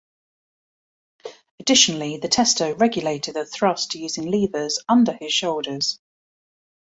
Additionally, the tester regulated the thrust using levers under his shoulders.